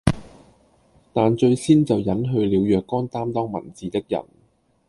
但最先就隱去了若干擔當文字的人，